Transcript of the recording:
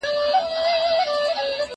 زه له سهاره مېوې وچوم!!